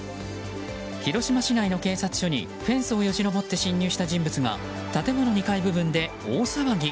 広島市内の警察署にフェンスをよじ登って侵入した人物が建物２階部分で大騒ぎ。